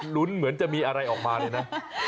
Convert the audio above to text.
ลุ้นเหมือนจะมีอะไรออกมาเลยนะ